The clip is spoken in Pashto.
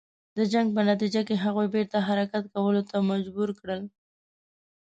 د جنګ په نتیجه کې هغوی بیرته حرکت کولو ته مجبور کړل.